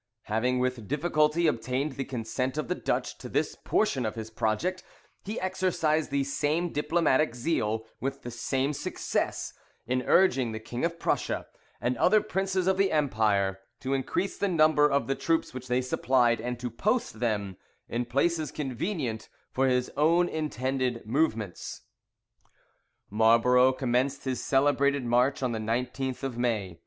Having with difficulty obtained the consent of the Dutch to this portion of his project, he exercised the same diplomatic zeal, with the same success, in urging the King of Prussia, and other princes of the empire, to increase the number of the troops which they supplied, and to post them in places convenient for his own intended movements. Marlborough commenced his celebrated march on the 19th of May.